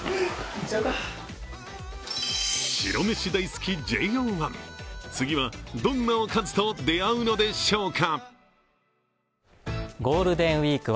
白飯大好きＪＯ１、次はどんなおかずと出会うのでしょうか。